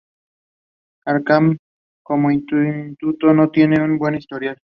Arkham, como institución, no tiene un buen historial.